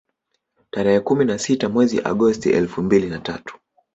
Tarehe kumi na sita mwezi Agosti elfu mbili na tatu